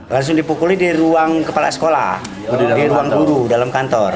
langsung dipukuli di ruang kepala sekolah di ruang guru dalam kantor